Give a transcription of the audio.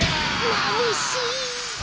まぶしい！